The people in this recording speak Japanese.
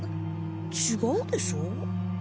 違うでしょ？